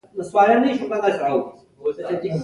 نبي کريم ص وفرمايل له جګړې ارزو مه کوئ.